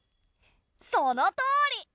そのとおり。